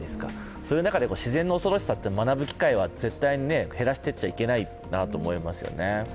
その中で自然の恐ろしさって学ぶ機会は絶対に減らしちゃいけないと思います。